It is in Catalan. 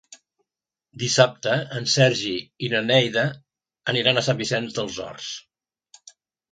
Dissabte en Sergi i na Neida aniran a Sant Vicenç dels Horts.